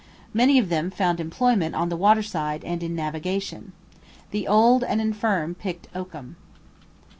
Many of them found employment on the waterside and in navigation. The old and infirm picked oakum.